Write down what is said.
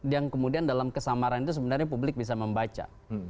yang kemudian dalam kesamaran itu sebenarnya publik bisa membaca